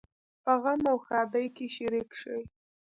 په غم او ښادۍ کې شریک شئ